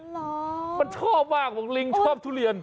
เนี่ยมันชอบมากบอกว่าลิงชอบทุเรียน